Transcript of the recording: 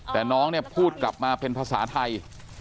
แต่น้องเนี่ยพูดกลับมาเป็นภาษาไทย